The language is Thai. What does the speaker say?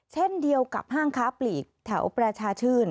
เช่นเดียวกับห้างค้าปลีกแถวประชาชื่น